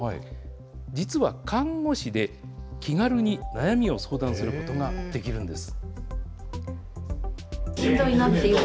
実は看護師で、気軽に悩みを相談することができるんです。